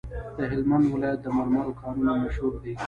د هلمند ولایت د مرمرو کانونه مشهور دي؟